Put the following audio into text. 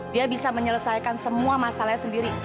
dia bisa menyelesaikan semua masalahnya sendiri